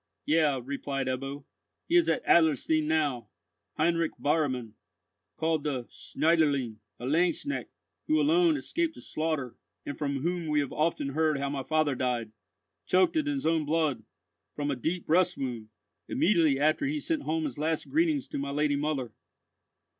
"Yea," replied Ebbo, "he is at Adlerstein now, Heinrich Bauermann, called the Schneiderlein, a lanzknecht, who alone escaped the slaughter, and from whom we have often heard how my father died, choked in his own blood, from a deep breast wound, immediately after he had sent home his last greetings to my lady mother."